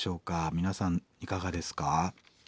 皆さんいかがですか？